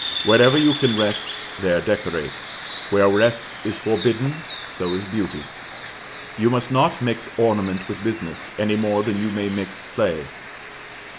Wherever you can rest, there decorate; where rest is forbidden, so is beauty. You must not mix ornament with business, any more than you may mix play.